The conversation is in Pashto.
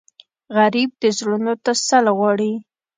غریب د زړونو تسل غواړي